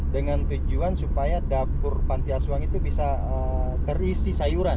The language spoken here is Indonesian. dengan tujuan supaya dapur panti asuhan itu bisa terisi sayuran